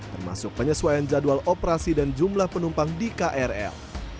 termasuk penyesuaian jadwal operasi dan jumlah penumpang di krl